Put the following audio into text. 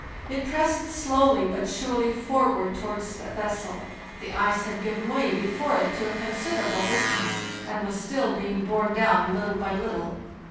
It pressed slowly but surely forward towards the vessel; the ice had given way before it to a considerable distance and was still being borne down little by little.